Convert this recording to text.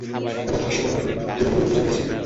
ব্যাপারটা হাস্যকর, ওরা শুধু দুটো বোতলই খুঁজে পেয়েছে।